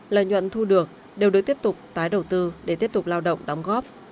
lợi nhuận thu được đều được tiếp tục tái đầu tư để tiếp tục lao động đóng góp